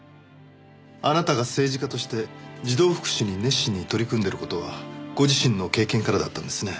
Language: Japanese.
あなたが政治家として児童福祉に熱心に取り組んでいる事はご自身の経験からだったんですね。